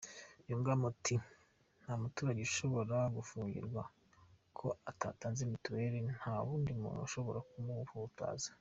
Yungamo ati "Nta muturage ushobora gufungirwa ko atatanze mitiweli nta nundi muntu ushobora kumuhutaza.